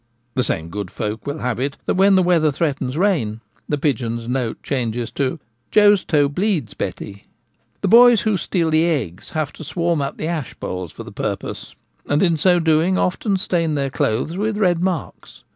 The same good folk will have it that when the weather threatens rain the pigeon's note changes to 'Joe's toe bleeds, Betty.' The boys who steal the eggs have to swarm up the ash poles for the purpose, and in so doing often stain their clothes with red marks.